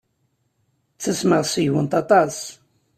Ttasmeɣ seg-went aṭas.